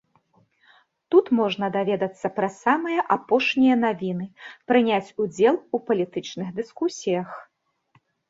Тут можна даведацца пра самыя апошнія навіны, прыняць удзел у палітычных дыскусіях.